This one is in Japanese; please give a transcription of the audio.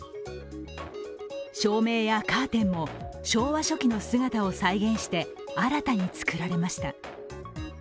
照明やカーテンも昭和初期の姿を再現して新たに作られました。